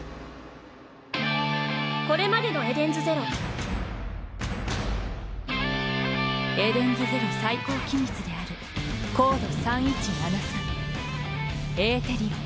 これまでの『ＥＤＥＮＳＺＥＲＯ』エデンズゼロ最高機密であるコード３１７３エーテリオン。